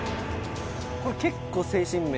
これ結構、精神面。